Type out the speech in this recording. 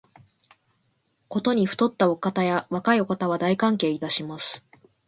ことに肥ったお方や若いお方は、大歓迎いたします